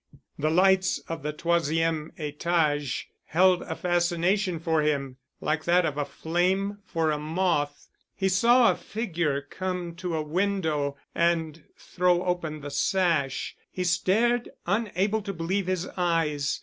The lights of the troisième étage held a fascination for him, like that of a flame for a moth. He saw a figure come to a window and throw open the sash. He stared, unable to believe his eyes.